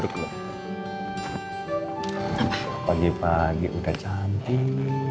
pagi pagi udah cantik